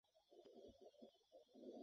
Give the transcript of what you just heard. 他为一个成年人重生的图画而挣扎。